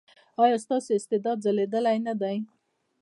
ایا ستاسو استعداد ځلیدلی نه دی؟